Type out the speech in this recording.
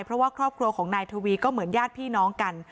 เพราะว่าครอบครัวของนายทวีก็เหมือนญาติพี่น้องกัน